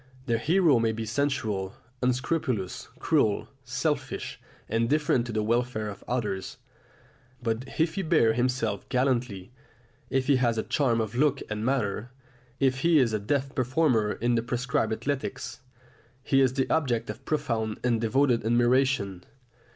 The hero may be sensual, unscrupulous, cruel, selfish, indifferent to the welfare of others. But if he bears himself gallantly, if he has a charm of look and manner, if he is a deft performer in the prescribed athletics, he is the object of profound and devoted admiration.